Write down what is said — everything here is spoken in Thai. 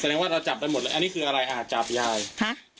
แสดงว่าเราจับไปหมดเลยอันนี้คืออะไรอ่ะจับยายค่ะ